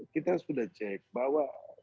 kita sudah cek bahwa